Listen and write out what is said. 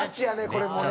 これもね。